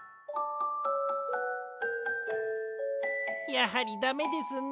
やはりだめですね。